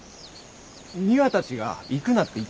美和たちが行くなって言ってただろ。